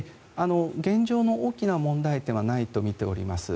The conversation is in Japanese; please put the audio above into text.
現状の大きな問題点はないとみております。